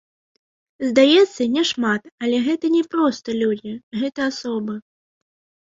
Здаецца, няшмат, але гэта не проста людзі, гэта асобы.